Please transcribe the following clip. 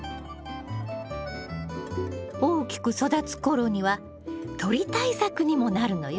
大きく育つ頃には鳥対策にもなるのよ。